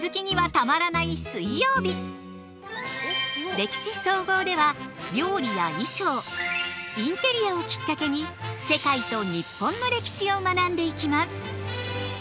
「歴史総合」では料理や衣装インテリアをきっかけに世界と日本の歴史を学んでいきます。